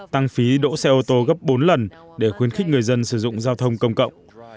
tăng phí đỗ xe ô tô gấp bốn lần để khuyến khích người dân sử dụng giao thông công cộng